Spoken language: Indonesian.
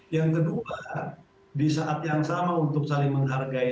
yang kedua di saat yang sama untuk saling menghargai